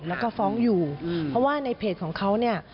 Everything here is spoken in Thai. แล้วก็ฟ้องอยู่เพราะว่าในเพจของเขาเนี่ย